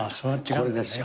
これですよ。